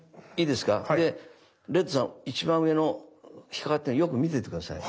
でレッドさん一番上の引っ掛かっているのよく見てて下さい。